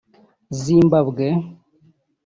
Zimbabwe